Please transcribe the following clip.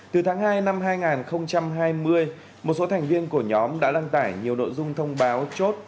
từ tháng hai năm hai nghìn hai mươi một số thành viên của nhóm đã lan tải nhiều nội dung thông báo chốt